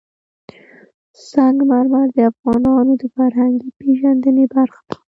سنگ مرمر د افغانانو د فرهنګي پیژندنې برخه ده.